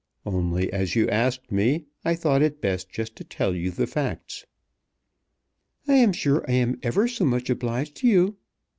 Only as you asked me I thought it best just to tell you the facts." "I am sure I am ever so much obliged to you.